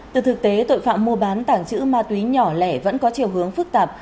từ thực tế tội phạm mua bán tảng chữ ma túy nhỏ lẻ vẫn có chiều hướng phức tạp